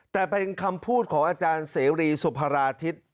แต่เป็นคำพูดของอาจารย์เสรีสุภาราทิศ